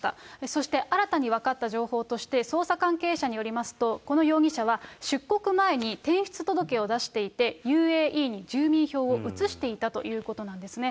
そして新たに分かった情報として、捜査関係者によりますと、この容疑者は、出国前に転出届を出していて、ＵＡＥに住民票を移していたということなんですね。